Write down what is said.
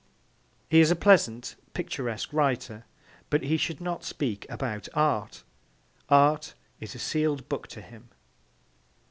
He is a pleasant, picturesque writer, but he should not speak about art. Art is a sealed book to him.